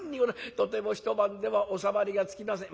とても１晩では収まりがつきません。